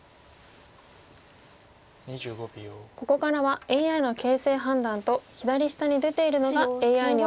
ここからはＡＩの形勢判断と左下に出ているのがＡＩによる予想手です。